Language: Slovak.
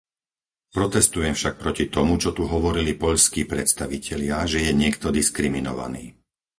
Protestujem však proti tomu, čo tu hovorili poľskí predstavitelia, že je niekto diskriminovaný.